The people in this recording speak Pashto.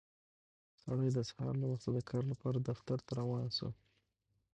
سړی د سهار له وخته د کار لپاره دفتر ته روان شو